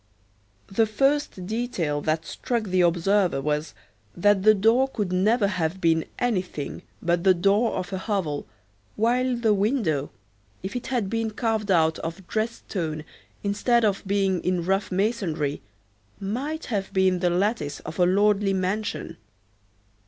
The first detail that struck the observer was, that the door could never have been anything but the door of a hovel, while the window, if it had been carved out of dressed stone instead of being in rough masonry, might have been the lattice of a lordly mansion.